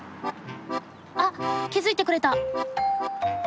あっ気付いてくれた。